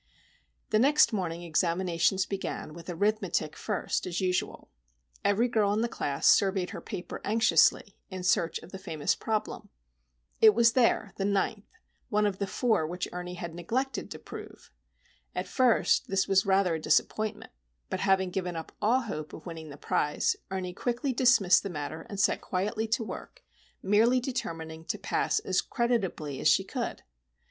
The next morning examinations began, with arithmetic first as usual. Every girl in the class surveyed her paper anxiously, in search of the famous problem. It was there,—the ninth,—one of the four which Ernie had neglected to prove. At first this was rather a disappointment; but, having given up all hope of winning the prize, Ernie quickly dismissed the matter and set quietly to work, merely determining to pass as creditably as she could.